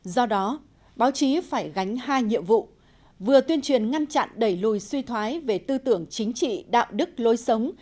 do đó báo chí phải gánh hai nhiệm vụ vừa tuyên truyền ngăn chặn đẩy lùi suy thoái về tư tưởng chính trị đạo đức lối sống